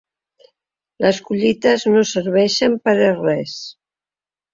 Les collites no serveixen per a res.